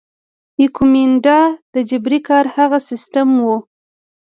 ایکومینډا د جبري کار هغه سیستم وو.